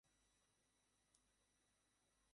সেটা ততদিনই আছে, যতদিন লাকির ব্যান্ড না হয়।